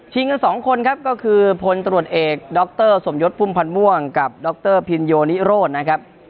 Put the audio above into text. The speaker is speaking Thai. ชิงกันสองคนครับก็คือพลตรวจเอกด๊อคเตอร์สมยศพุ่มพันธ์ม่วงกับด๊อคเตอร์พินโยนิโรดนะครับ